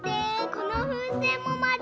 このふうせんもまる！